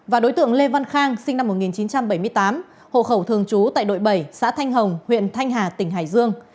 và đối tượng lê văn khang sinh năm một nghìn chín trăm bảy mươi tám hộ khẩu thường trú tại đội bảy xã thanh hồng huyện thanh hà tỉnh hải dương